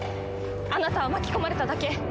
あなたは巻き込まれただけ！